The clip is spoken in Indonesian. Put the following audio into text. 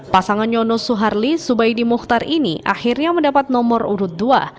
pasangan nyono suharli subaidi muhtar ini akhirnya mendapat nomor urut dua